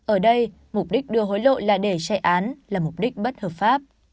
ở đây mục đích đưa hối lộ là để chạy án là mục đích bất hợp pháp